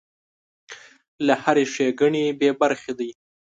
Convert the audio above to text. له هرې ښېګڼې بې برخې دی.